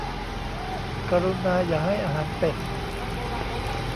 กรุณาอย่าให้อาหารเป็ด